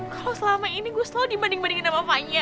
kalo selama ini gue selalu dibanding bandingin sama fanya